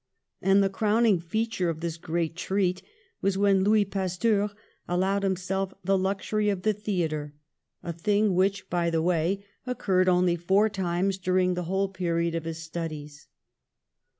And the crowning feature of this great treat was when Louis Pasteur allowed himself the luxury of the theatre, a thing which, by the way, occurred A LABORIOUS YOUTH 19 only four times during the whole period of his studies.